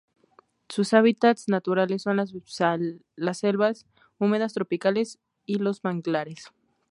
Sus hábitats naturales son las selvas húmedas tropicales y los manglares.